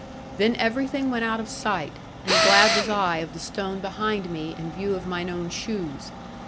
Then everything went out of sight, and glad was I of the stone behind me, and view of mine own shoes.